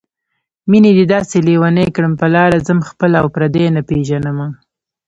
مينې دې داسې لېونی کړم په لاره ځم خپل او پردي نه پېژنمه